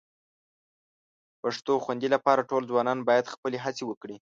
پښتو خوندي لپاره ټول ځوانان باید خپلې هڅې وکړي